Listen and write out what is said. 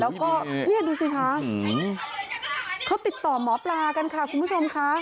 แล้วก็เนี่ยดูสิคะเขาติดต่อหมอปลากันค่ะคุณผู้ชมค่ะ